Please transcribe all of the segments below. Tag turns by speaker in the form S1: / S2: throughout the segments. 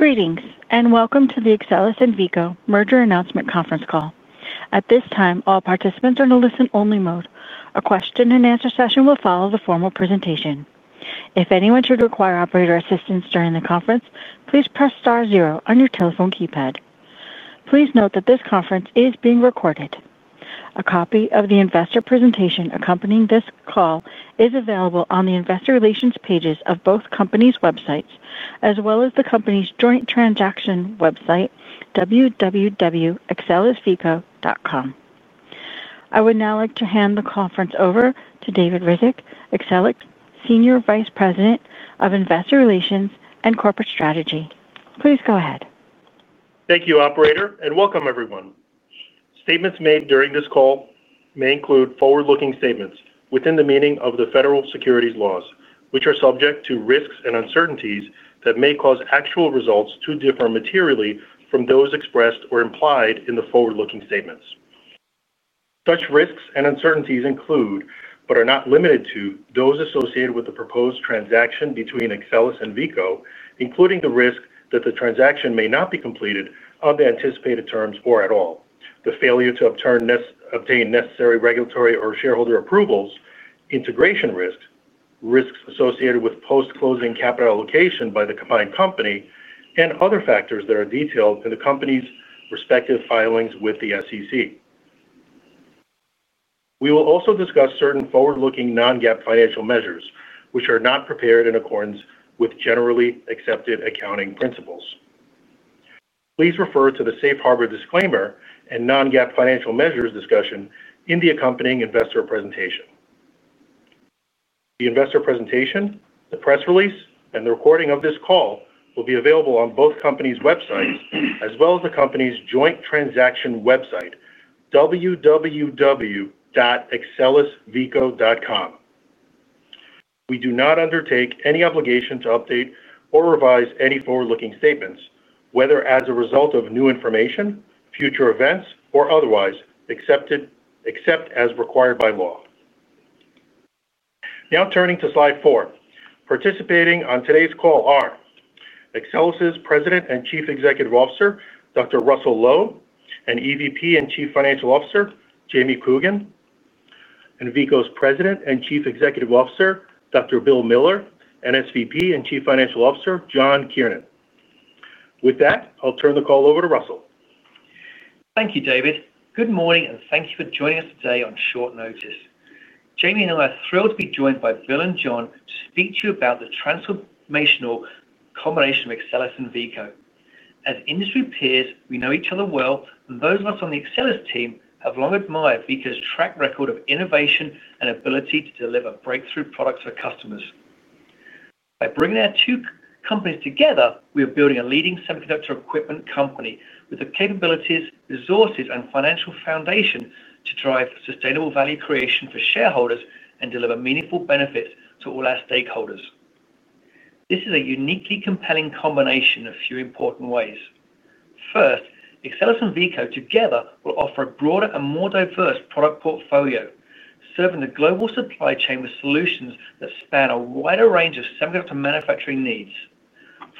S1: Greetings, and welcome to the Axcelis and Veeco Merger Announcement Conference Call. At this time, all participants are in a listen-only mode. A question and answer session will follow the formal presentation. If anyone should require operator assistance during the conference, please press star zero on your telephone keypad. Please note that this conference is being recorded. A copy of the investor presentation accompanying this call is available on the investor relations pages of both companies' websites, as well as the companies' joint transaction website, www.axcelisveeco.com. I would now like to hand the conference over to David Ryzhik, Axcelis Senior Vice President of Investor Relations and Corporate Strategy. Please go ahead.
S2: Thank you, operator, and welcome, everyone. Statements made during this call may include forward-looking statements within the meaning of the federal securities laws, which are subject to risks and uncertainties that may cause actual results to differ materially from those expressed or implied in the forward-looking statements. Such risks and uncertainties include, but are not limited to, those associated with the proposed transaction between Axcelis and Veeco, including the risk that the transaction may not be completed on the anticipated terms or at all, the failure to obtain necessary regulatory or shareholder approvals, integration risk, risks associated with post-closing capital allocation by the combined company, and other factors that are detailed in the companies' respective filings with the SEC. We will also discuss certain forward-looking non-GAAP financial measures, which are not prepared in accordance with generally accepted accounting principles. Please refer to the safe harbor disclaimer and non-GAAP financial measures discussion in the accompanying investor presentation. The investor presentation, the press release, and the recording of this call will be available on both companies' websites, as well as the companies' joint transaction website, www.axcelisveeco.com. We do not undertake any obligation to update or revise any forward-looking statements, whether as a result of new information, future events, or otherwise, except as required by law. Now turning to slide four, participating on today's call are Axcelis' President and Chief Executive Officer, Dr. Russell Low, and EVP and Chief Financial Officer, Jamie Coogan, and Veeco's President and Chief Executive Officer, Dr. Bill Miller, and SVP and Chief Financial Officer, John Kiernan. With that, I'll turn the call over to Russell.
S3: Thank you, David. Good morning, and thank you for joining us today on short notice. Jamie and I are thrilled to be joined by Bill and John to speak to you about the transformational combination of Axcelis and Veeco. As industry peers, we know each other well, and those of us on the Axcelis team have long admired Veeco's track record of innovation and ability to deliver breakthrough products for customers. By bringing our two companies together, we are building a leading semiconductor equipment company with the capabilities, resources, and financial foundation to drive sustainable value creation for shareholders and deliver meaningful benefits to all our stakeholders. This is a uniquely compelling combination in a few important ways. First, Axcelis and Veeco together will offer a broader and more diverse product portfolio, serving the global supply chain with solutions that span a wider range of semiconductor manufacturing needs.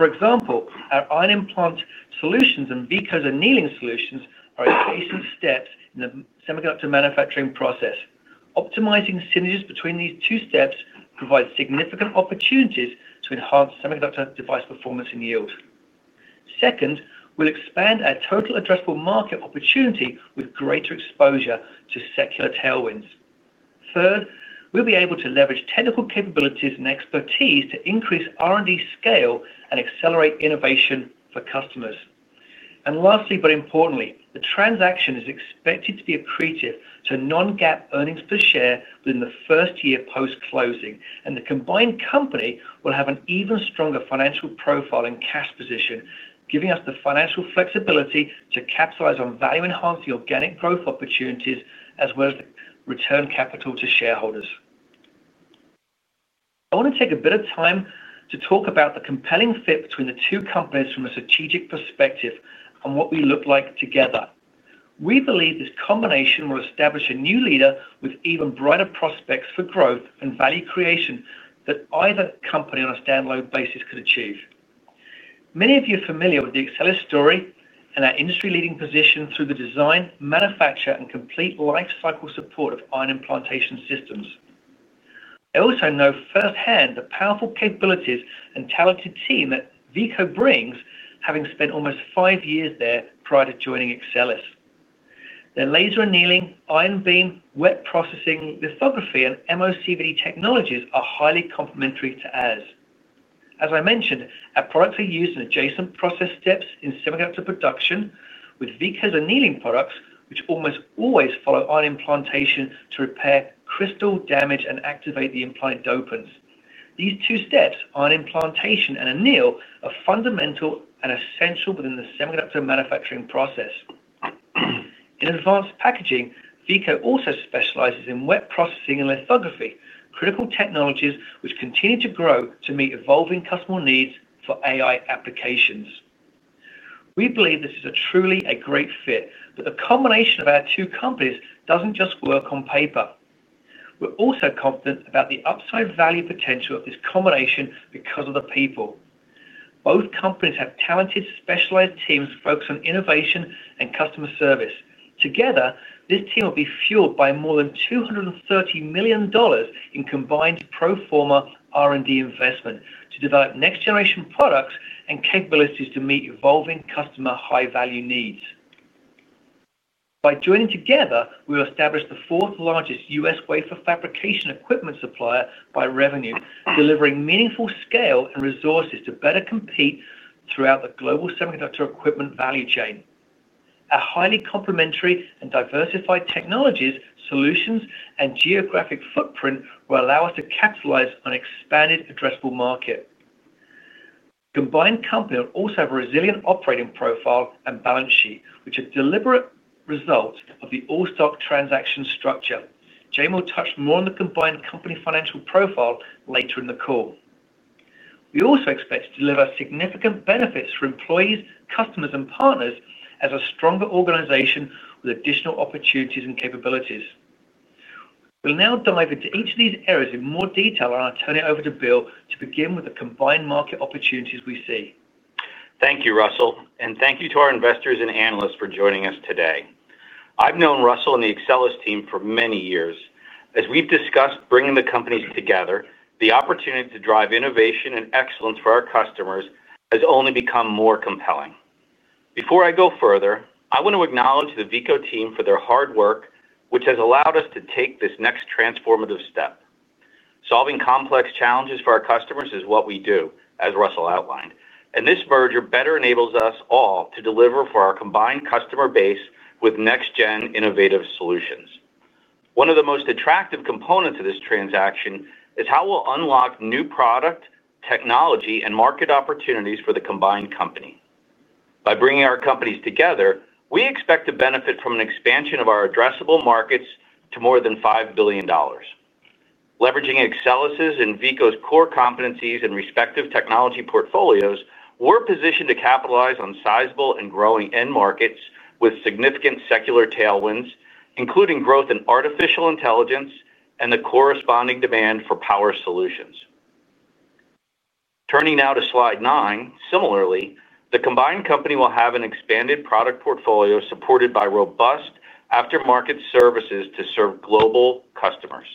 S3: For example, our ion implantation solutions and Veeco's annealing solutions are adjacent steps in the semiconductor manufacturing process. Optimizing synergies between these two steps provides significant opportunities to enhance semiconductor device performance and yield. Second, we'll expand our total addressable market opportunity with greater exposure to secular tailwinds. Third, we'll be able to leverage technical capabilities and expertise to increase R&D scale and accelerate innovation for customers. Lastly, the transaction is expected to be accretive to non-GAAP EPS within the first year post-closing, and the combined company will have an even stronger financial profile and cash position, giving us the financial flexibility to capitalize on value-enhancing organic growth opportunities, as well as return capital to shareholders. I want to take a bit of time to talk about the compelling fit between the two companies from a strategic perspective and what we look like together. We believe this combination will establish a new leader with even brighter prospects for growth and value creation than either company on a standalone basis could achieve. Many of you are familiar with the Axcelis story and our industry-leading position through the design, manufacture, and complete lifecycle support of ion implantation systems. I also know firsthand the powerful capabilities and talented team that Veeco brings, having spent almost five years there prior to joining Axcelis. Their laser annealing, ion beam, wet processing, lithography, and MOCVD technologies are highly complementary to ours. As I mentioned, our products are used in adjacent process steps in semiconductor production, with Veeco's annealing products, which almost always follow ion implantation to repair crystal damage and activate the implant dopants. These two steps, ion implantation and anneal, are fundamental and essential within the semiconductor manufacturing process. In advanced packaging, Veeco also specializes in wet processing and lithography, critical technologies which continue to grow to meet evolving customer needs for AI applications. We believe this is truly a great fit, but the combination of our two companies doesn't just work on paper. We're also confident about the upside value potential of this combination because of the people. Both companies have talented, specialized teams focused on innovation and customer service. Together, this team will be fueled by more than $230 million in combined pro forma R&D investment to develop next-generation products and capabilities to meet evolving customer high-value needs. By joining together, we will establish the fourth largest U.S. wafer fabrication equipment supplier by revenue, delivering meaningful scale and resources to better compete throughout the global semiconductor equipment value chain. Our highly complementary and diversified technologies, solutions, and geographic footprint will allow us to capitalize on an expanded addressable market. The combined company will also have a resilient operating profile and balance sheet, which are deliberate results of the all-stock transaction structure. Jamie will touch more on the combined company financial profile later in the call. We also expect to deliver significant benefits for employees, customers, and partners as a stronger organization with additional opportunities and capabilities. We'll now dive into each of these areas in more detail. I'll turn it over to Bill to begin with the combined market opportunities we see.
S4: Thank you, Russell, and thank you to our investors and analysts for joining us today. I've known Russell and the Axcelis team for many years. As we've discussed bringing the companies together, the opportunity to drive innovation and excellence for our customers has only become more compelling. Before I go further, I want to acknowledge the Veeco team for their hard work, which has allowed us to take this next transformative step. Solving complex challenges for our customers is what we do, as Russell outlined, and this merger better enables us all to deliver for our combined customer base with next-gen innovative solutions. One of the most attractive components of this transaction is how we'll unlock new product, technology, and market opportunities for the combined company. By bringing our companies together, we expect to benefit from an expansion of our addressable markets to more than $5 billion. Leveraging Axcelis' and Veeco's core competencies and respective technology portfolios, we're positioned to capitalize on sizable and growing end markets with significant secular tailwinds, including growth in artificial intelligence and the corresponding demand for power solutions. Turning now to slide nine, similarly, the combined company will have an expanded product portfolio supported by robust aftermarket services to serve global customers.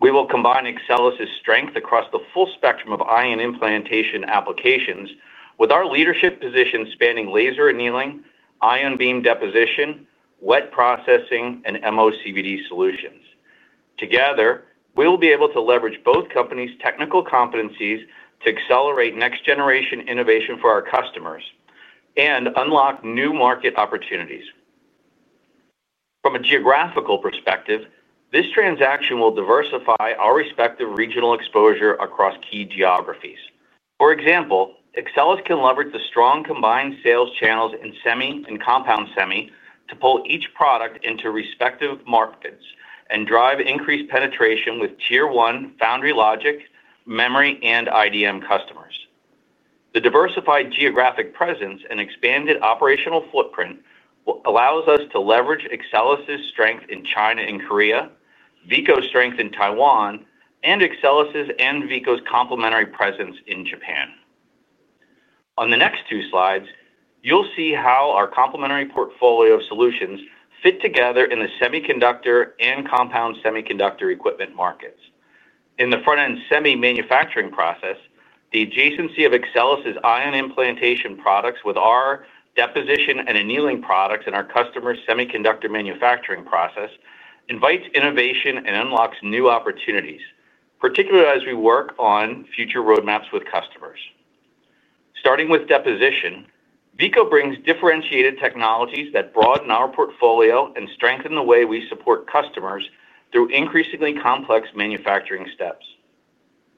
S4: We will combine Axcelis' strength across the full spectrum of ion implantation applications with our leadership position spanning laser annealing, ion beam deposition, wet processing, and MOCVD solutions. Together, we'll be able to leverage both companies' technical competencies to accelerate next-generation innovation for our customers and unlock new market opportunities. From a geographical perspective, this transaction will diversify our respective regional exposure across key geographies. For example, Axcelis can leverage the strong combined sales channels in semi and compound semi to pull each product into respective markets and drive increased penetration with Tier 1 foundry logic, memory, and IDM customers. The diversified geographic presence and expanded operational footprint allow us to leverage Axcelis' strength in China and Korea, Veeco's strength in Taiwan, and Axcelis' and Veeco's complementary presence in Japan. On the next two slides, you'll see how our complementary portfolio of solutions fit together in the semiconductor and compound semiconductor equipment markets. In the front-end semi manufacturing process, the adjacency of Axcelis' ion implantation products with our deposition and annealing products in our customer's semiconductor manufacturing process invites innovation and unlocks new opportunities, particularly as we work on future roadmaps with customers. Starting with deposition, Veeco brings differentiated technologies that broaden our portfolio and strengthen the way we support customers through increasingly complex manufacturing steps.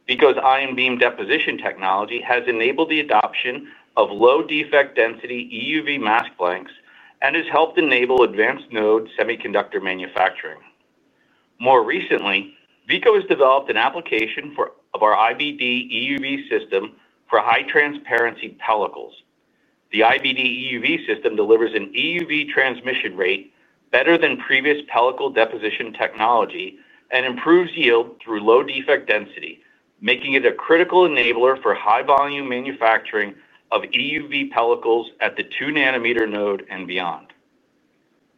S4: Veeco's ion beam deposition technology has enabled the adoption of low-defect density EUV mask blanks and has helped enable advanced node semiconductor manufacturing. More recently, Veeco has developed an application of our IBD EUV system for high-transparency pellicles. The IBD EUV system delivers an EUV transmission rate better than previous pellicle deposition technology and improves yield through low-defect density, making it a critical enabler for high-volume manufacturing of EUV pellicles at the 2 nm node and beyond.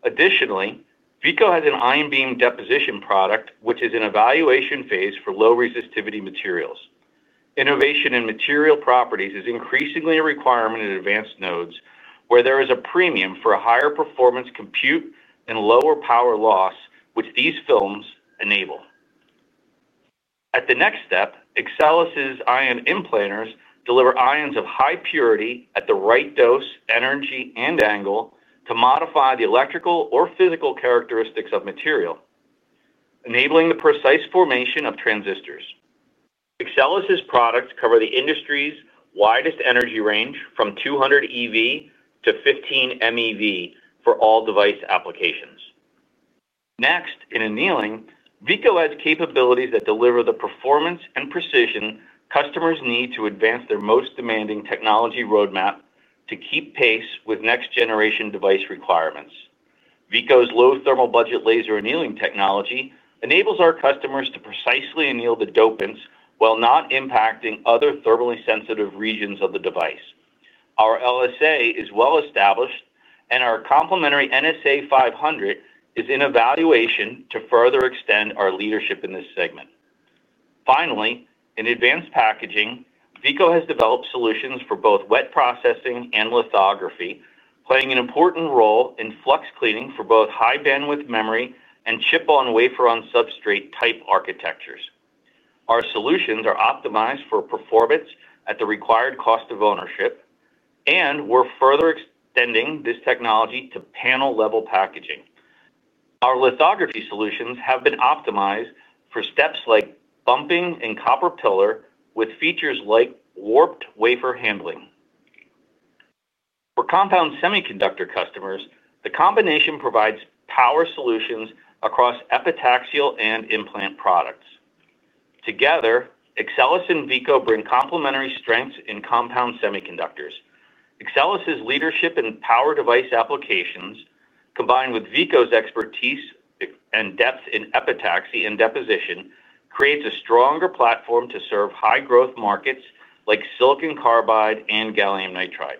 S4: Additionally, Veeco has an ion beam deposition product, which is in evaluation phase for low-resistivity materials. Innovation in material properties is increasingly a requirement in advanced nodes, where there is a premium for a higher performance compute and lower power loss, which these films enable. At the next step, Axcelis' ion implanters deliver ions of high purity at the right dose, energy, and angle to modify the electrical or physical characteristics of material, enabling the precise formation of transistors. Axcelis' products cover the industry's widest energy range from 200 eV to 15 MeV for all device applications. Next, in annealing, Veeco adds capabilities that deliver the performance and precision customers need to advance their most demanding technology roadmap to keep pace with next-generation device requirements. Veeco's low-thermal budget laser annealing technology enables our customers to precisely anneal the dopants while not impacting other thermally sensitive regions of the device. Our LSA is well established, and our complementary NSA 500 is in evaluation to further extend our leadership in this segment. Finally, in advanced packaging, Veeco has developed solutions for both wet processing and lithography, playing an important role in flux cleaning for both high-bandwidth memory and chip on wafer on substrate type architectures. Our solutions are optimized for performance at the required cost of ownership, and we're further extending this technology to panel-level packaging. Our lithography solutions have been optimized for steps like bumping and copper pillar, with features like warped wafer handling. For compound semiconductor customers, the combination provides power solutions across epitaxial and implant products. Together, Axcelis and Veeco bring complementary strengths in compound semiconductors. Axcelis' leadership in power device applications, combined with Veeco's expertise and depth in epitaxy and deposition, creates a stronger platform to serve high-growth markets like silicon carbide and gallium nitride.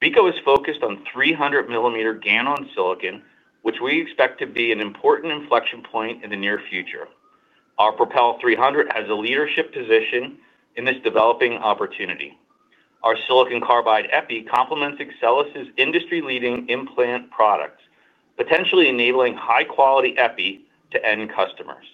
S4: Veeco is focused on 300 mm GaN-on-Si, which we expect to be an important inflection point in the near future. Our Propel 300 has a leadership position in this developing opportunity. Our silicon carbide epi complements Axcelis' industry-leading implant products, potentially enabling high-quality epi to end customers.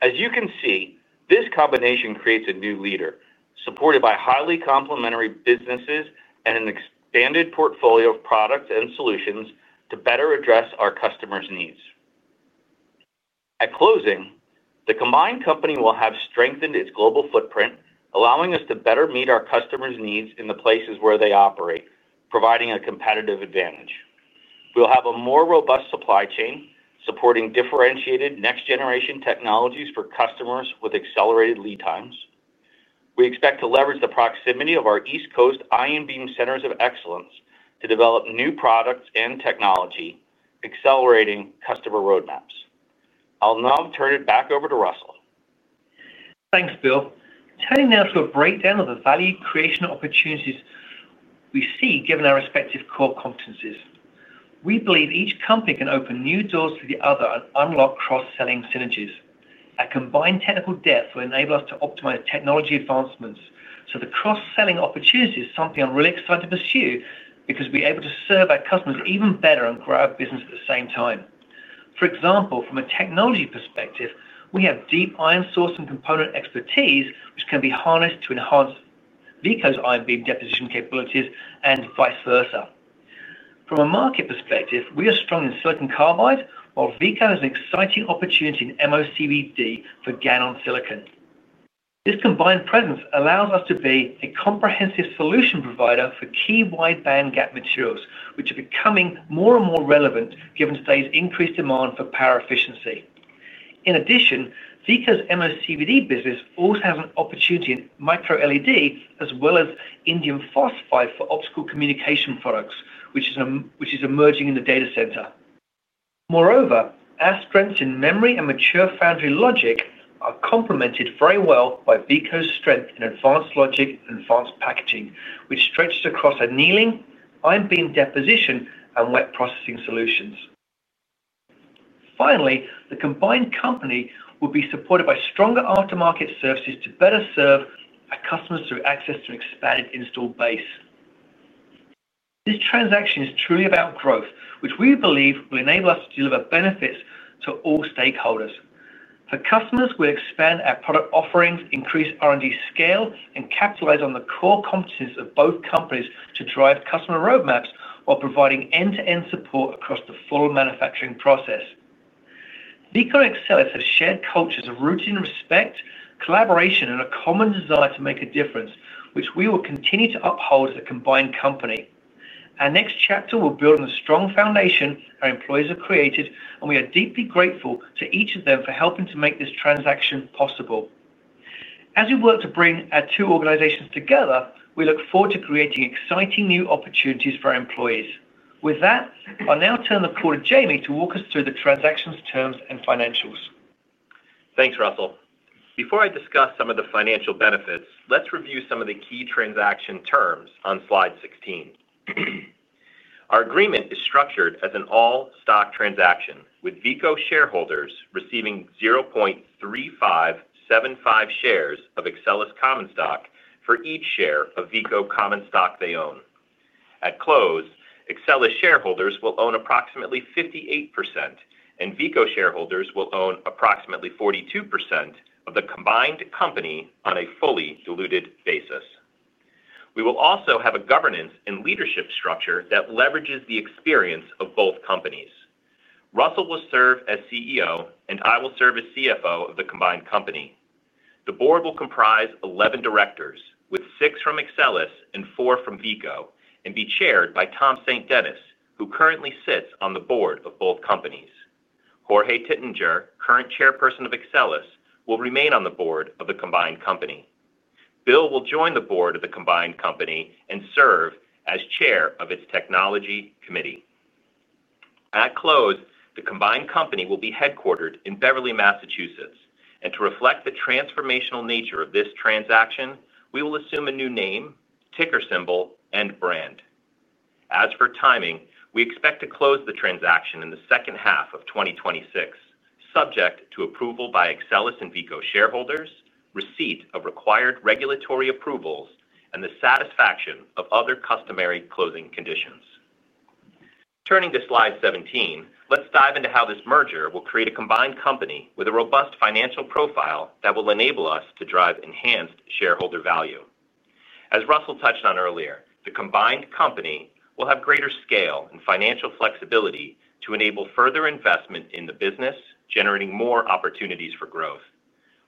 S4: As you can see, this combination creates a new leader, supported by highly complementary businesses and an expanded portfolio of products and solutions to better address our customers' needs. At closing, the combined company will have strengthened its global footprint, allowing us to better meet our customers' needs in the places where they operate, providing a competitive advantage. We'll have a more robust supply chain, supporting differentiated next-generation technologies for customers with accelerated lead times. We expect to leverage the proximity of our East Coast Ion Beam Centers of Excellence to develop new products and technology, accelerating customer roadmaps. I'll now turn it back over to Russell.
S3: Thanks, Bill. Turning now to a breakdown of the value creation opportunities we see, given our respective core competencies, we believe each company can open new doors to the other and unlock cross-selling synergies. Our combined technical depth will enable us to optimize technology advancements. The cross-selling opportunity is something I'm really excited to pursue because we'll be able to serve our customers even better and grow our business at the same time. For example, from a technology perspective, we have deep ion source and component expertise, which can be harnessed to enhance Veeco's ion beam deposition capabilities and vice versa. From a market perspective, we are strong in silicon carbide, while Veeco has an exciting opportunity in MOCVD for GaN-on-Si. This combined presence allows us to be a comprehensive solution provider for key wide band gap materials, which are becoming more and more relevant given today's increased demand for power efficiency. In addition, Veeco's MOCVD business also has an opportunity in micro LED, as well as indium phosphide for optical communication products, which is emerging in the data center. Moreover, our strengths in memory and mature foundry logic are complemented very well by Veeco's strength in advanced logic and advanced packaging, which stretches across annealing, ion beam deposition, and wet processing solutions. Finally, the combined company will be supported by stronger aftermarket services to better serve our customers through access to an expanded install base. This transaction is truly about growth, which we believe will enable us to deliver benefits to all stakeholders. Our customers will expand our product offerings, increase R&D scale, and capitalize on the core competencies of both companies to drive customer roadmaps while providing end-to-end support across the full manufacturing process. Veeco and Axcelis have shared cultures of rooting respect, collaboration, and a common desire to make a difference, which we will continue to uphold as a combined company. Our next chapter will build on the strong foundation our employees have created, and we are deeply grateful to each of them for helping to make this transaction possible. As we work to bring our two organizations together, we look forward to creating exciting new opportunities for our employees. With that, I'll now turn the call to Jamie to walk us through the transaction's terms and financials.
S5: Thanks, Russell. Before I discuss some of the financial benefits, let's review some of the key transaction terms on slide 16. Our agreement is structured as an all-stock transaction, with Veeco shareholders receiving 0.3575 shares of Axcelis Common Stock for each share of Veeco Common Stock they own. At close, Axcelis shareholders will own approximately 58%, and Veeco shareholders will own approximately 42% of the combined company on a fully diluted basis. We will also have a governance and leadership structure that leverages the experience of both companies. Russell will serve as CEO, and I will serve as CFO of the combined company. The board will comprise 11 directors, with six from Axcelis and four from Veeco, and be chaired by Tom St. Dennis, who currently sits on the board of both companies. Jorge Titinger, current Chairperson of Axcelis, will remain on the board of the combined company. Bill will join the board of the combined company and serve as Chair of its Technology Committee. At close, the combined company will be headquartered in Beverly, Massachusetts, and to reflect the transformational nature of this transaction, we will assume a new name, ticker symbol, and brand. As for timing, we expect to close the transaction in the second half of 2026, subject to approval by Axcelis and Veeco shareholders, receipt of required regulatory approvals, and the satisfaction of other customary closing conditions. Turning to slide 17, let's dive into how this merger will create a combined company with a robust financial profile that will enable us to drive enhanced shareholder value. As Russell touched on earlier, the combined company will have greater scale and financial flexibility to enable further investment in the business, generating more opportunities for growth.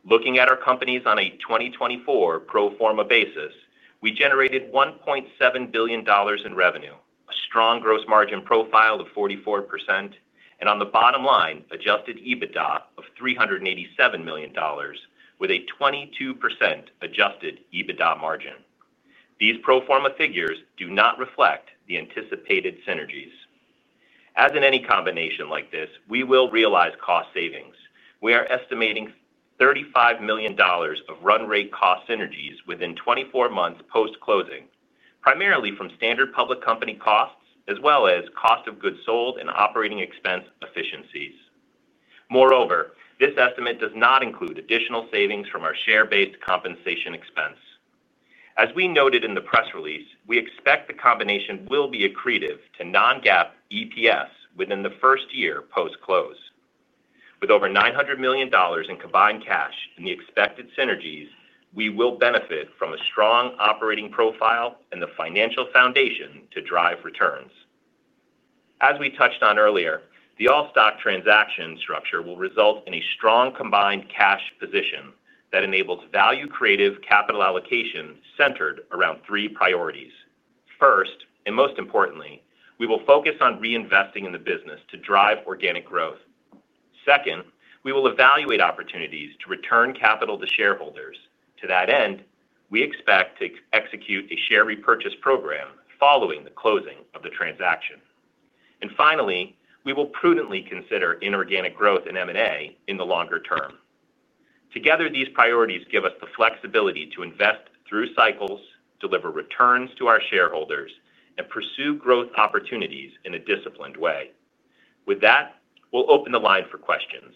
S5: Looking at our companies on a 2024 pro forma basis, we generated $1.7 billion in revenue, a strong gross margin profile of 44%, and on the bottom line, adjusted EBITDA of $387 million, with a 22% adjusted EBITDA margin. These pro forma figures do not reflect the anticipated synergies. As in any combination like this, we will realize cost savings. We are estimating $35 million of run-rate cost synergies within 24 months post-closing, primarily from standard public company costs, as well as cost of goods sold and operating expense efficiencies. Moreover, this estimate does not include additional savings from our share-based compensation expense. As we noted in the press release, we expect the combination will be accretive to non-GAAP EPS within the first year post-close. With over $900 million in combined cash and the expected synergies, we will benefit from a strong operating profile and the financial foundation to drive returns. As we touched on earlier, the all-stock transaction structure will result in a strong combined cash position that enables value-creative capital allocation centered around three priorities. First, and most importantly, we will focus on reinvesting in the business to drive organic growth. Second, we will evaluate opportunities to return capital to shareholders. To that end, we expect to execute a share repurchase program following the closing of the transaction. Finally, we will prudently consider inorganic growth and M&A in the longer term. Together, these priorities give us the flexibility to invest through cycles, deliver returns to our shareholders, and pursue growth opportunities in a disciplined way. With that, we'll open the line for questions.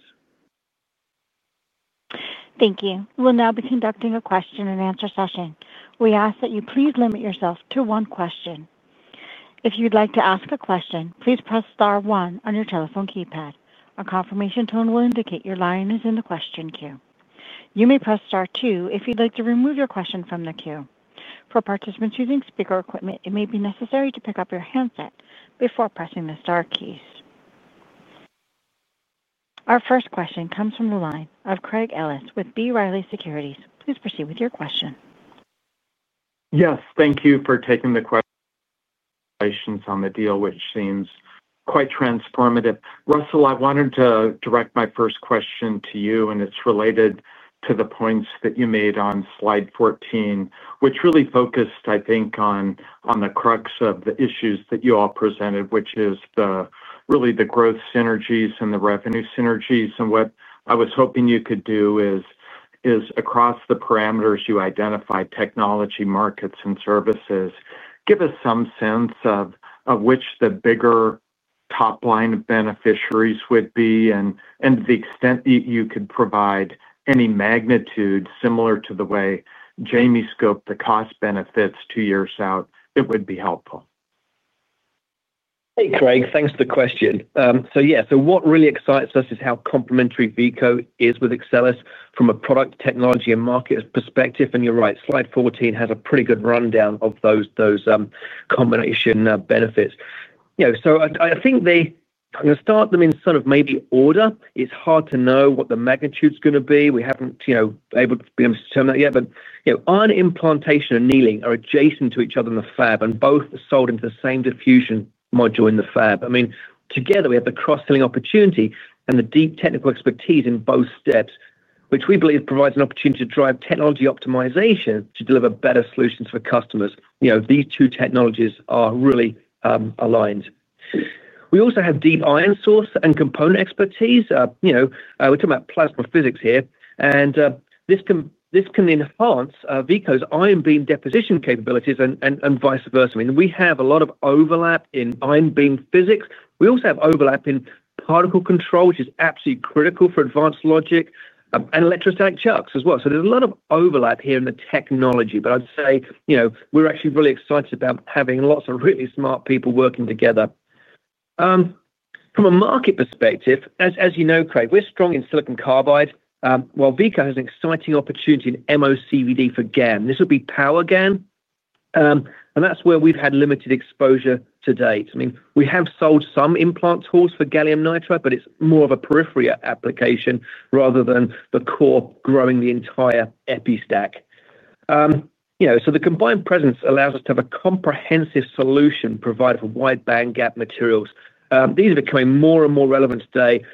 S1: Thank you. We'll now be conducting a question and answer session. We ask that you please limit yourself to one question. If you'd like to ask a question, please press star one on your telephone keypad. A confirmation tone will indicate your line is in the question queue. You may press star two if you'd like to remove your question from the queue. For participants using speaker equipment, it may be necessary to pick up your handset before pressing the star keys. Our first question comes from the line of Craig Ellis with B. Riley Securities. Please proceed with your question.
S6: Yes, thank you for taking the question on the deal, which seems quite transformative. Russell, I wanted to direct my first question to you, and it's related to the points that you made on slide 14, which really focused, I think, on the crux of the issues that you all presented, which is really the growth synergies and the revenue synergies. What I was hoping you could do is across the parameters you identified, technology, markets, and services, give us some sense of which the bigger top line beneficiaries would be and the extent that you could provide any magnitude similar to the way Jamie scoped the cost benefits two years out. It would be helpful.
S3: Hey, Craig. Thanks for the question. What really excites us is how complementary Veeco is with Axcelis from a product, technology, and market perspective. You're right, slide 14 had a pretty good rundown of those combination benefits. I think they're going to start them in sort of maybe order. It's hard to know what the magnitude is going to be. We haven't been able to determine that yet, but ion implantation and annealing are adjacent to each other in the fab, and both are sold into the same diffusion module in the fab. Together we have the cross-selling opportunity and the deep technical expertise in both steps, which we believe provides an opportunity to drive technology optimization to deliver better solutions for customers. These two technologies are really aligned. We also have deep ion source and component expertise. We're talking about plasma physics here, and this can enhance Veeco's ion beam deposition capabilities and vice versa. We have a lot of overlap in ion beam physics. We also have overlap in particle control, which is absolutely critical for advanced logic and electrostatic chucks as well. There's a lot of overlap here in the technology, but I'd say we're actually really excited about having lots of really smart people working together. From a market perspective, as you know, Craig, we're strong in silicon carbide, while Veeco has an exciting opportunity in MOCVD for GaN. This would be power GaN, and that's where we've had limited exposure to date. We have sold some implant tools for gallium nitride, but it's more of a periphery application rather than the core growing the entire epi stack. The combined presence allows us to have a comprehensive solution provided for wide band gap materials. These are becoming more and more relevant today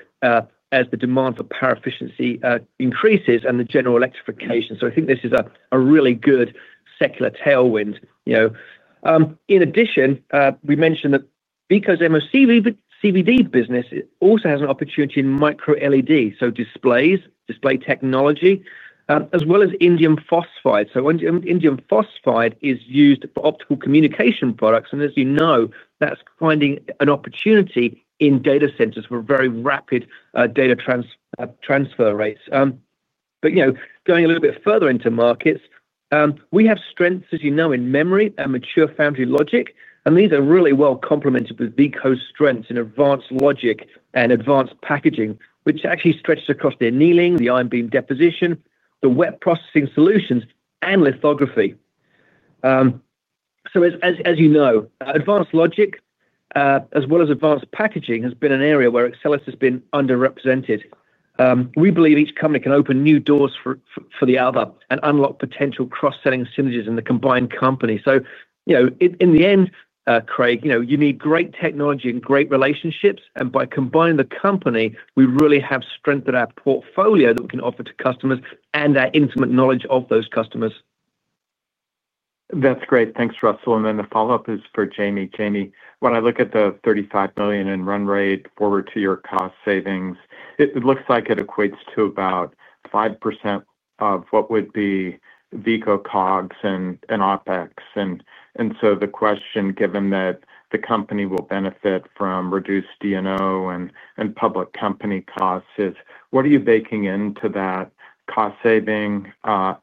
S3: as the demand for power efficiency increases and the general electrification. I think this is a really good secular tailwind. In addition, we mentioned that Veeco's MOCVD business also has an opportunity in micro LED, so displays, display technology, as well as indium phosphide. Indium phosphide is used for optical communication products, and as you know, that's finding an opportunity in data centers for very rapid data transfer rates. You know, going a little bit further into markets, we have strengths, as you know, in memory and mature foundry logic, and these are really well complemented with Veeco's strengths in advanced logic and advanced packaging, which actually stretches across the annealing, the ion beam deposition, the wet processing solutions, and lithography. As you know, advanced logic, as well as advanced packaging, has been an area where Axcelis has been underrepresented. We believe each company can open new doors for the other and unlock potential cross-selling synergies in the combined company. In the end, Craig, you know, you need great technology and great relationships, and by combining the company, we really have strengthened our portfolio that we can offer to customers and our intimate knowledge of those customers.
S6: That's great. Thanks, Russell. The follow-up is for Jamie. Jamie, when I look at the $35 million in run-rate forward to your cost savings, it looks like it equates to about 5% of what would be Veeco COGS and OpEx. The question, given that the company will benefit from reduced D&O and public company costs, is what are you baking into that cost saving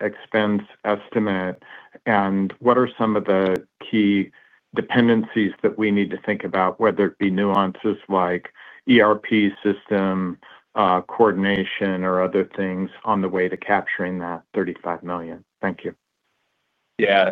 S6: expense estimate? What are some of the key dependencies that we need to think about, whether it be nuances like ERP system coordination or other things on the way to capturing that $35 million? Thank you.
S5: Yeah,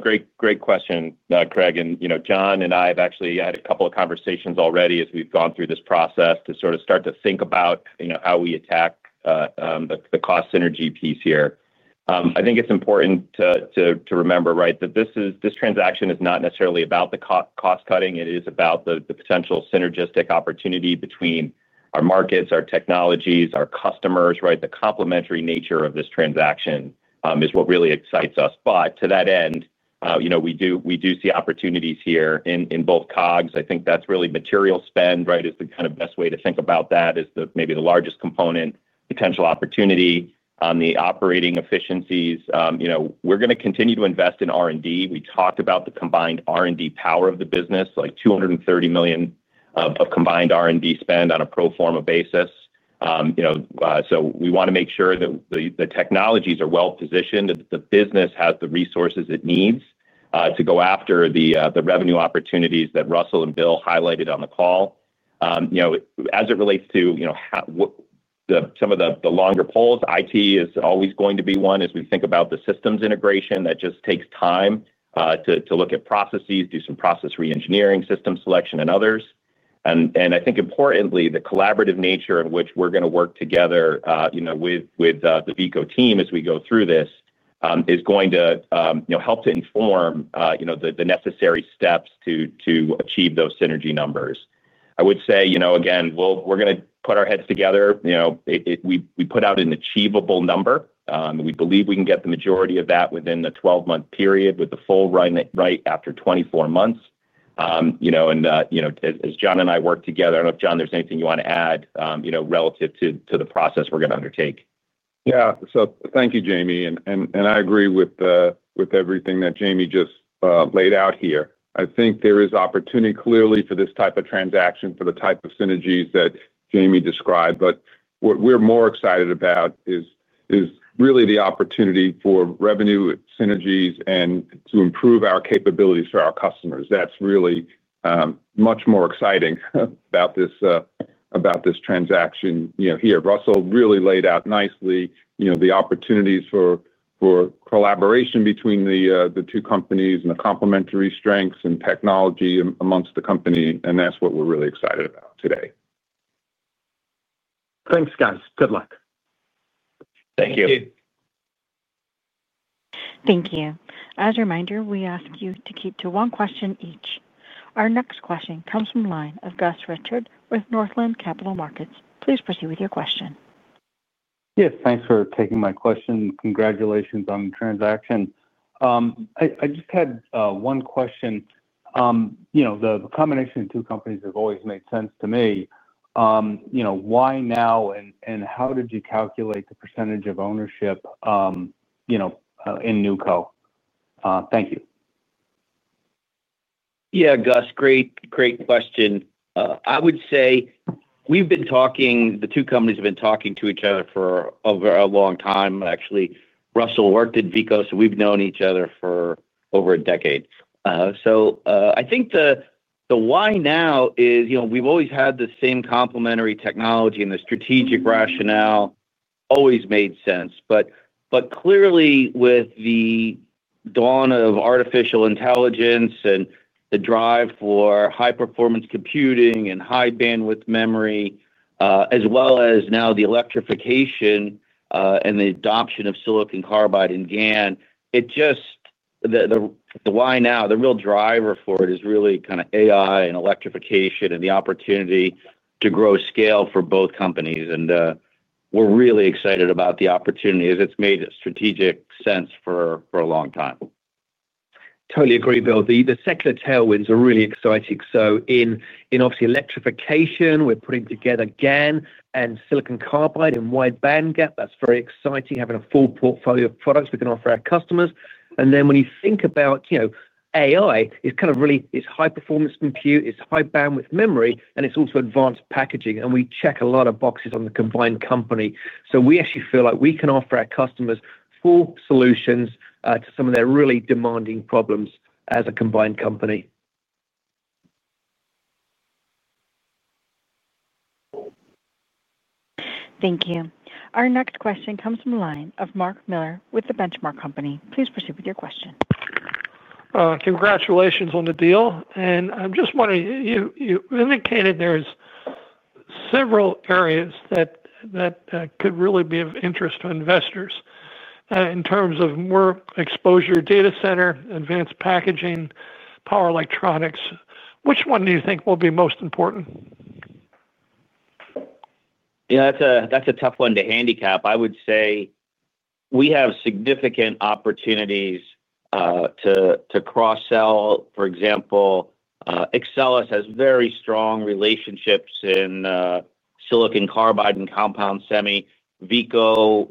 S5: great question, Craig. John and I have actually had a couple of conversations already as we've gone through this process to sort of start to think about how we attack the cost synergy piece here. I think it's important to remember that this transaction is not necessarily about the cost cutting. It is about the potential synergistic opportunity between our markets, our technologies, our customers. The complementary nature of this transaction is what really excites us. To that end, we do see opportunities here in both COGS. I think that's really material spend, which is the kind of best way to think about that as maybe the largest component potential opportunity on the operating efficiencies. We're going to continue to invest in R&D. We talked about the combined R&D power of the business, like $230 million of combined R&D spend on a pro forma basis. We want to make sure that the technologies are well positioned and that the business has the resources it needs to go after the revenue opportunities that Russell and Bill highlighted on the call. As it relates to some of the longer polls, IT is always going to be one as we think about the systems integration that just takes time to look at processes, do some process re-engineering, system selection, and others. I think importantly, the collaborative nature in which we're going to work together with the Veeco team as we go through this is going to help to inform the necessary steps to achieve those synergy numbers. I would say we're going to put our heads together. We put out an achievable number. We believe we can get the majority of that within the 12-month period with the full run right after 24 months. As John and I work together, I don't know if John, there's anything you want to add relative to the process we're going to undertake.
S7: Thank you, Jamie. I agree with everything that Jamie just laid out here. I think there is opportunity clearly for this type of transaction, for the type of synergies that Jamie described. What we're more excited about is really the opportunity for revenue synergies and to improve our capabilities for our customers. That's really much more exciting about this transaction. Russell really laid out nicely the opportunities for collaboration between the two companies and the complementary strengths and technology amongst the company. That's what we're really excited about today.
S6: Thanks, guys. Good luck.
S5: Thank you.
S1: Thank you. As a reminder, we ask you to keep to one question each. Our next question comes from the line of Gus Richard with Northland Capital Markets. Please proceed with your question.
S8: Yes, thanks for taking my question. Congratulations on the transaction. I just had one question. You know, the combination of two companies has always made sense to me. You know, why now and how did you calculate the percentage of ownership, you know, in [NewCo]? Thank you.
S4: Yeah, Gus, great question. I would say we've been talking, the two companies have been talking to each other for a long time. Actually, Russell worked at Veeco, so we've known each other for over a decade. I think the why now is, you know, we've always had the same complementary technology and the strategic rationale always made sense. Clearly, with the dawn of artificial intelligence and the drive for high-performance computing and high-bandwidth memory, as well as now the electrification and the adoption of silicon carbide and GaN, the why now, the real driver for it is really kind of AI and electrification and the opportunity to grow scale for both companies. We're really excited about the opportunity as it's made strategic sense for a long time.
S3: Totally agree, Bill. The secular tailwinds are really exciting. In electrification, we're putting together GaN and silicon carbide and wide band gap. That's very exciting, having a full portfolio of products we can offer our customers. When you think about AI, it's really high-performance compute, it's high-bandwidth memory, and it's also advanced packaging. We check a lot of boxes on the combined company. We actually feel like we can offer our customers full solutions to some of their really demanding problems as a combined company.
S1: Thank you. Our next question comes from the line of Mark Miller with The Benchmark Company. Please proceed with your question.
S9: Congratulations on the deal. I'm just wondering, you indicated there are several areas that could really be of interest to investors in terms of more exposure, data center, advanced packaging solutions, power electronics. Which one do you think will be most important?
S4: Yeah, that's a tough one to handicap. I would say we have significant opportunities to cross-sell. For example, Axcelis has very strong relationships in silicon carbide and compound semi. Veeco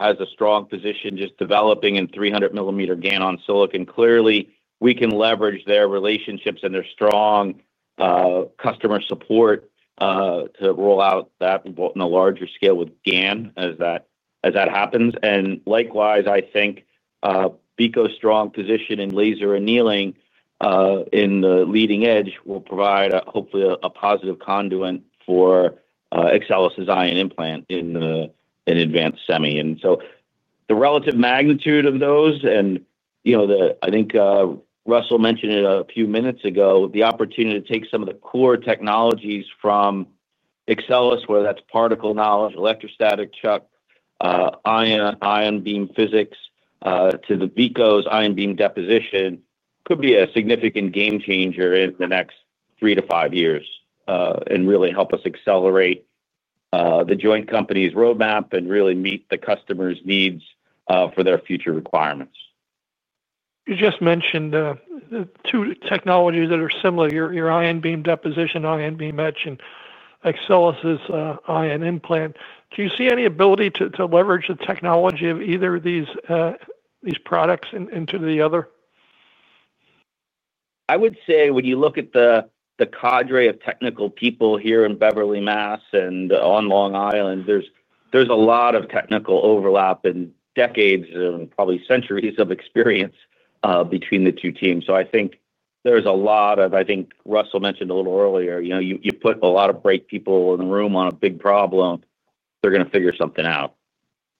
S4: has a strong position just developing in 300 mm GaN-on-Si. Clearly, we can leverage their relationships and their strong customer support to roll out that in a larger scale with GaN as that happens. Likewise, I think Veeco's strong position in laser annealing in the leading edge will provide hopefully a positive conduit for Axcelis' ion implant in advanced semi. The relative magnitude of those, and I think Russell mentioned it a few minutes ago, the opportunity to take some of the core technologies from Axcelis, whether that's particle knowledge, electrostatic chuck, ion beam physics, to Veeco's ion beam deposition, could be a significant game changer in the next three to five years and really help us accelerate the joint company's roadmap and really meet the customer's needs for their future requirements.
S9: You just mentioned the two technologies that are similar, your ion beam deposition, ion beam etch, and Axcelis' ion implantation. Do you see any ability to leverage the technology of either of these products into the other?
S4: I would say when you look at the cadre of technical people here in Beverly, Massachusetts, and on Long Island, there's a lot of technical overlap and decades and probably centuries of experience between the two teams. I think there's a lot of, I think Russell mentioned a little earlier, you know, you put a lot of bright people in the room on a big problem, they're going to figure something out.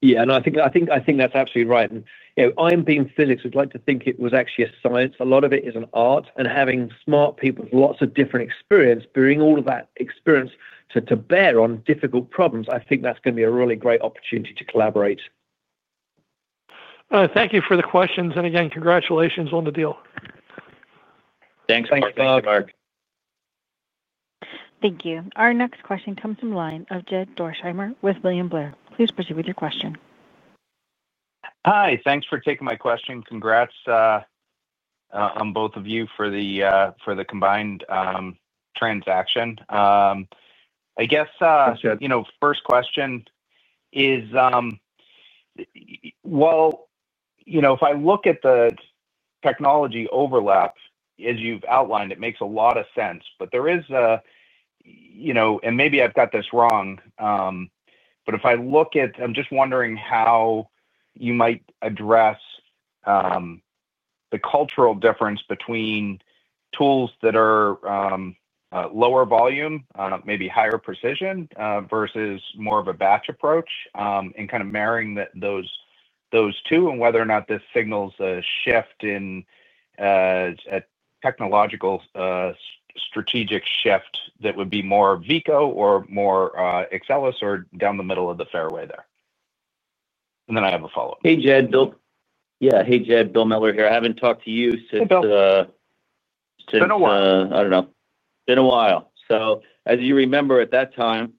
S3: Yeah, no, I think that's absolutely right. In ion beam physics, we'd like to think it was actually a science. A lot of it is an art. Having smart people with lots of different experience bring all of that experience to bear on difficult problems, I think that's going to be a really great opportunity to collaborate.
S9: Thank you for the questions. Again, congratulations on the deal.
S4: Thanks, [corsstalk].
S1: Thank you. Our next question comes from the line of Jed Dorsheimer with William Blair. Please proceed with your question.
S10: Hi, thanks for taking my question. Congrats on both of you for the combined transaction. I guess, first question is, if I look at the technology overlap, as you've outlined, it makes a lot of sense. There is a, and maybe I've got this wrong, but if I look at, I'm just wondering how you might address the cultural difference between tools that are lower volume, maybe higher precision versus more of a batch approach, and kind of marrying those two and whether or not this signals a shift in a technological strategic shift that would be more Veeco or more Axcelis or down the middle of the fairway there. I have a follow-up.
S4: Hey, Jed. Hey, Jed, Bill Miller here. I haven't talked to you since.
S10: Been a while.
S4: I don't know. Been a while. As you remember, at that time,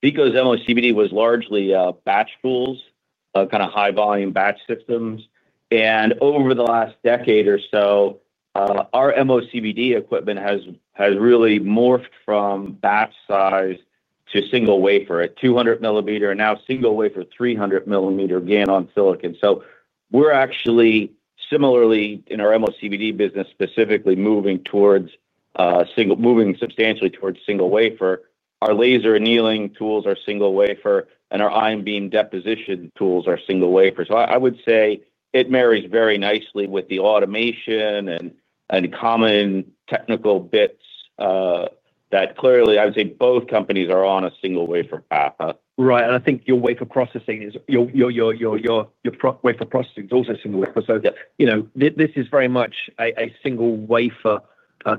S4: Veeco's MOCVD was largely batch tools, kind of high-volume batch systems. Over the last decade or so, our MOCVD equipment has really morphed from batch size to single wafer at 200 mm and now single wafer at 300 mm GaN-on-Si. We're actually similarly in our MOCVD business specifically moving substantially towards single wafer. Our laser annealing tools are single wafer, and our ion beam deposition tools are single wafer. I would say it marries very nicely with the automation and common technical bits that clearly, I would say both companies are on a single wafer path.
S3: Right. I think your wafer processing is also single wafer. This is very much a single wafer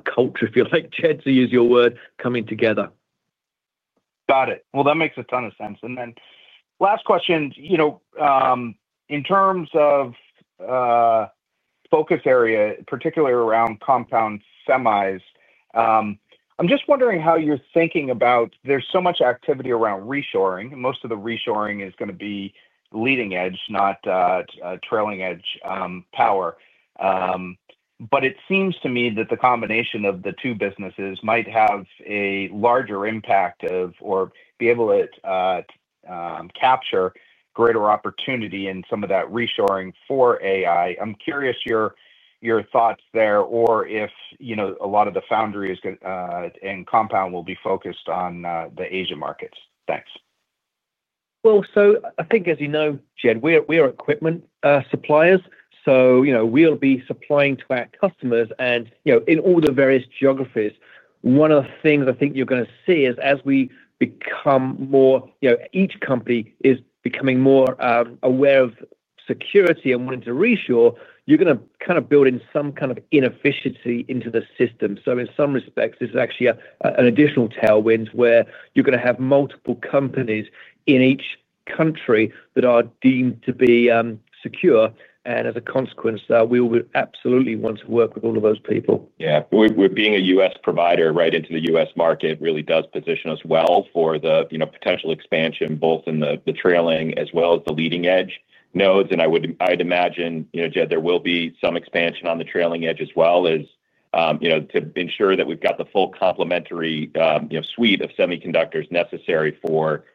S3: culture, if you like, Jed, to use your word, coming together.
S10: That makes a ton of sense. Last question, in terms of focus area, particularly around compound semis, I'm just wondering how you're thinking about, there's so much activity around reshoring. Most of the reshoring is going to be leading edge, not trailing edge power. It seems to me that the combination of the two businesses might have a larger impact or be able to capture greater opportunity in some of that reshoring for artificial intelligence. I'm curious your thoughts there, or if a lot of the foundry and compound will be focused on the Asia markets. Thanks.
S3: I think, as you know, Jed, we are equipment suppliers. We will be supplying to our customers in all the various geographies. One of the things I think you're going to see is as we become more, you know, each company is becoming more aware of security and wanting to reshore, you're going to kind of build in some kind of inefficiency into the system. In some respects, this is actually an additional tailwind where you're going to have multiple companies in each country that are deemed to be secure. As a consequence, we will absolutely want to work with all of those people.
S4: Yeah, being a U.S. provider right into the U.S. market really does position us well for the potential expansion, both in the trailing as well as the leading edge nodes. I would imagine, you know, there will be some expansion on the trailing edge as well as, you know, to ensure that we've got the full complementary, you know, suite of semiconductors necessary for,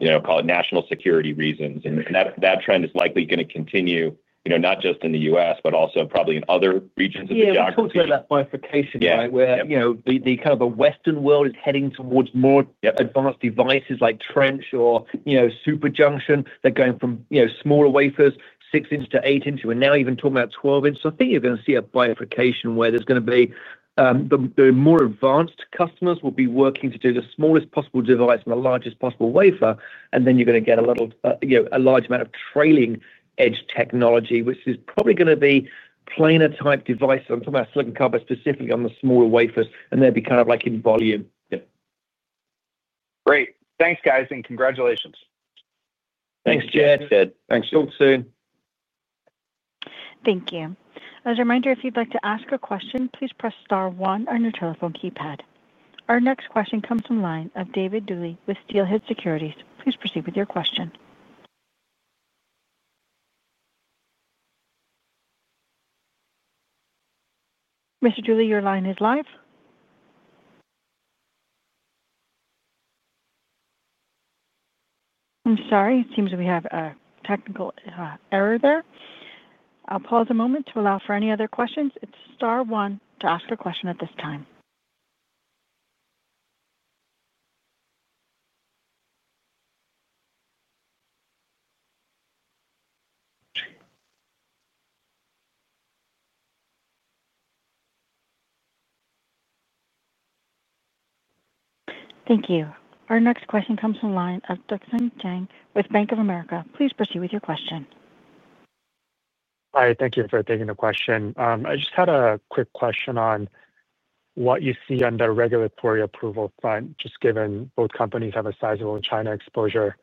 S4: you know, call it national security reasons. That trend is likely going to continue, you know, not just in the U.S., but also probably in other regions of the geography.
S3: Yeah, you're talking about bifurcation, right? Where, you know, the kind of Western world is heading towards more advanced devices like trench or, you know, super junction. They're going from, you know, smaller wafers, six inch to eight inch. We're now even talking about 12 inch. I think you're going to see a bifurcation where the more advanced customers will be working to do the smallest possible device and the largest possible wafer. You're going to get a large amount of trailing edge technology, which is probably going to be planar type devices. I'm talking about silicon carbide specifically on the smaller wafers, and they'll be kind of like in volume.
S10: Great. Thanks, guys, and congratulations.
S3: Thanks, Jed.
S4: Thanks, Jed.
S3: Talk soon.
S1: Thank you. As a reminder, if you'd like to ask a question, please press star one on your telephone keypad. Our next question comes from the line of David Duley with Steelhead Securities. Please proceed with your question.It seems we have a technical error there. I'll pause a moment to allow for any other questions. It's star one to ask a question at this time. Thank you. Our next question comes from the line of [Duckson Chang] with Bank of America. Please proceed with your question.
S11: Hi, thank you for taking the question. I just had a quick question on what you see on the regulatory approval front, just given both companies have a sizable China exposure.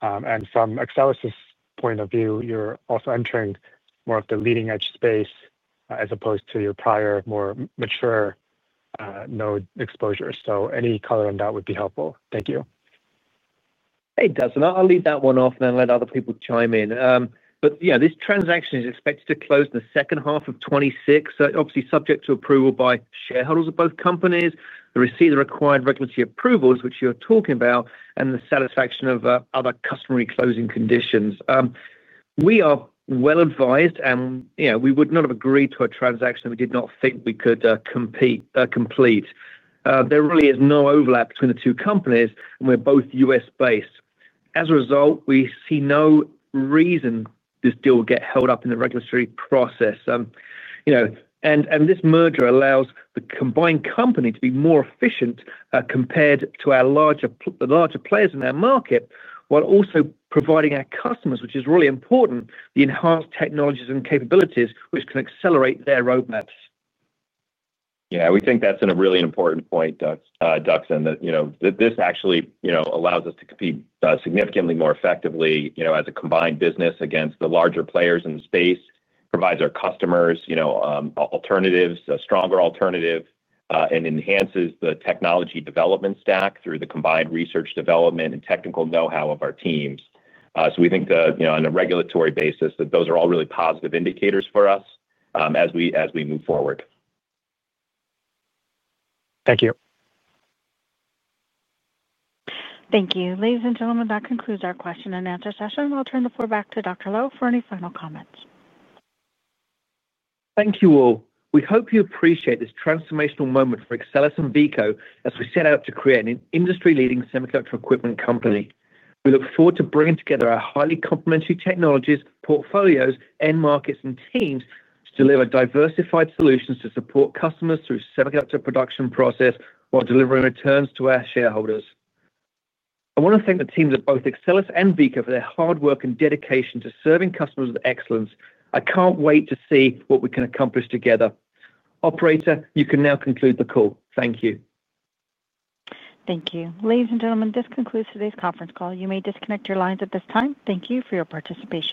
S11: From Axcelis's point of view, you're also entering more of the leading edge space as opposed to your prior more mature node exposure. Any color on that would be helpful. Thank you.
S3: Hey, [Duckson]. I'll leave that one off and then let other people chime in. This transaction is expected to close in the second half of 2026. It is obviously subject to approval by shareholders of both companies, the receipt of the required regulatory approvals, which you're talking about, and the satisfaction of other customary closing conditions. We are well advised, and we would not have agreed to a transaction that we did not think we could complete. There really is no overlap between the two companies, and we're both U.S. based. As a result, we see no reason this deal will get held up in the regulatory process. This merger allows the combined company to be more efficient compared to our larger players in our market while also providing our customers, which is really important, the enhanced technologies and capabilities, which can accelerate their roadmaps.
S4: Yeah, we think that's a really important point, that, you know, this actually allows us to compete significantly more effectively, you know, as a combined business against the larger players in the space, provides our customers, you know, alternatives, a stronger alternative, and enhances the technology development stack through the combined research development and technical know-how of our teams. We think that, you know, on a regulatory basis, that those are all really positive indicators for us as we move forward.
S12: Thank you.
S1: Thank you. Ladies and gentlemen, that concludes our question and answer session. We'll turn the floor back to Dr. Low for any final comments.
S3: Thank you all. We hope you appreciate this transformational moment for Axcelis and Veeco as we set out to create an industry-leading semiconductor equipment company. We look forward to bringing together our highly complementary technologies, portfolios, end markets, and teams to deliver diversified solutions to support customers through the semiconductor production process while delivering returns to our shareholders. I want to thank the teams of both Axcelis and Veeco for their hard work and dedication to serving customers with excellence. I can't wait to see what we can accomplish together. Operator, you can now conclude the call. Thank you.
S1: Thank you. Ladies and gentlemen, this concludes today's conference call. You may disconnect your lines at this time. Thank you for your participation.